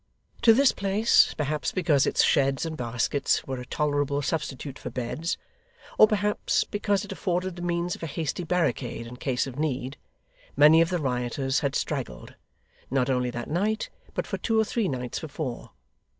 To this place, perhaps because its sheds and baskets were a tolerable substitute for beds, or perhaps because it afforded the means of a hasty barricade in case of need, many of the rioters had straggled, not only that night, but for two or three nights before.